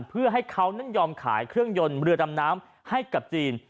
เพื่อให้เขานั้นยอมขายเครื่องยนต์เรือดำน้ำให้กับจีน